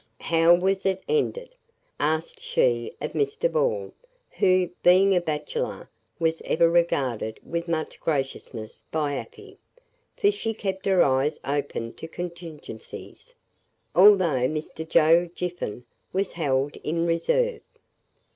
"How was it ended?" asked she of Mr. Ball, who, being a bachelor, was ever regarded with much graciousness by Afy, for she kept her eyes open to contingencies; although Mr. Joe Jiffin was held in reserve.